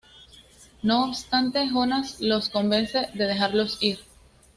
No obstante, Jonas los convence de dejarlos ir.